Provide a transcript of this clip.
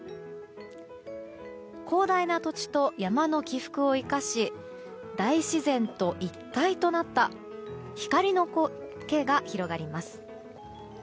広大な土地と山の起伏を生かし大自然と一体となった光の光景が広がります。